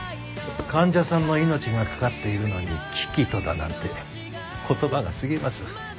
患者さんの命が懸かっているのに「喜々と」だなんて言葉が過ぎます。